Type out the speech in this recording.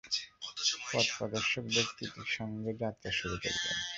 পথপ্রদর্শক ব্যক্তিটির সাথে যাত্রা শুরু করলেন।